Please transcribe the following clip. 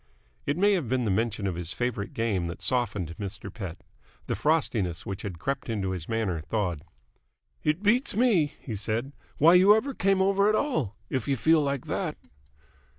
It may have been the mention of his favourite game that softened Mr. Pett. The frostiness which had crept into his manner thawed. "It beats me," he said, "why you ever came over at all, if you feel like that."